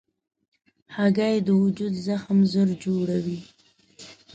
هګۍ د وجود زخم ژر جوړوي.